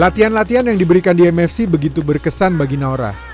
latihan latihan yang diberikan di mfc begitu berkesan bagi naura